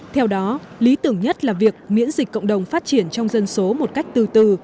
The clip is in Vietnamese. theo đó lý tưởng nhất là việc miễn dịch cộng đồng phát triển trong dân số một cách từ từ